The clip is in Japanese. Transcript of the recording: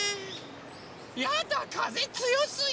やだかぜつよすぎ！